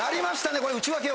これ内訳を。